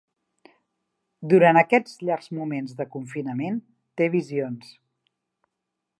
Durant aquests llargs moments de confinament té visions.